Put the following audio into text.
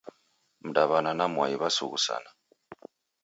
Mdaw'ana na mwai w'asusughana